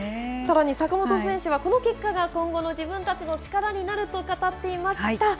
さらに坂本選手はこの結果が今後の自分たちの力になると語っていました。